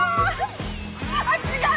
あっ違う！